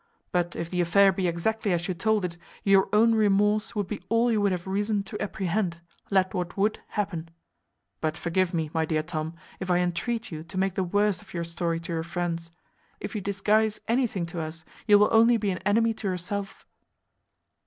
But if the affair be exactly as you told it, your own remorse would be all you would have reason to apprehend, let what would happen; but forgive me, my dear Tom, if I entreat you to make the worst of your story to your friends. If you disguise anything to us, you will only be an enemy to yourself."